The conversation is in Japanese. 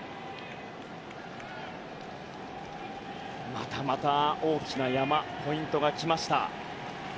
またまた大きな山ポイントが来ました。